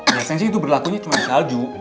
biasanya sih itu berlakunya cuma di salju